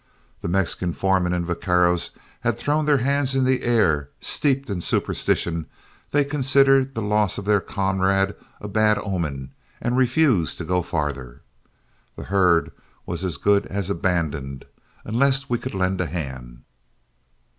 The Mexican foreman and vaqueros had thrown their hands in the air; steeped in superstition, they considered the loss of their comrade a bad omen, and refused to go farther. The herd was as good as abandoned unless we could lend a hand.